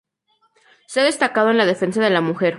Se ha destacado en la defensa de la mujer.